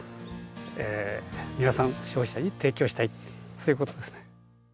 そういうことですね。